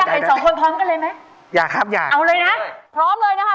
ช่วยฝังดินหรือกว่า